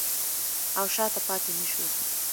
او شاته پاتې نشو.